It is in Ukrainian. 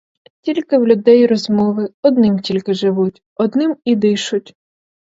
Тільки в людей і розмови, одним тільки живуть, одним і дишуть.